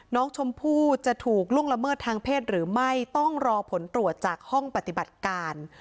น้องชมพู่จะถูกล่วงละเมิดทางเพศหรือไม่ต้องรอผลตรวจจากห้องปฏิบัติการ